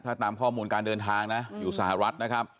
ถ้าตามข้อมูลการเดินทางนะอยู่สหรัฐนะครับ